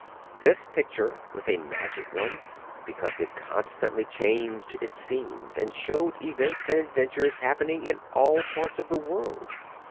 This picture was a magic one because it constantly changed its scenes and showed events and adventures happening in all parts of the world.